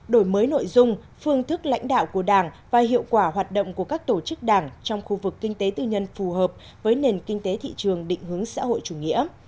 đổi mới nội dung phương thức lãnh đạo của đảng và hiệu quả hoạt động của các tổ chức đảng trong khu vực kinh tế tư nhân phù hợp với nền kinh tế thị trường định hướng xã hội chủ nghĩa